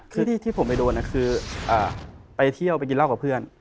คือที่ผมไปโดนคือไปเที่ยวไปกินเหล้ากับเพื่อน